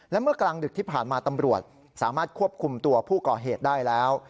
และเมื่อกลางดึกที่ผ่านมาตำรวจสามารถควบคุมตัวผู้ก่อเหตุได้แล้ว